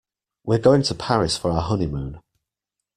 We're going to Paris for our honeymoon.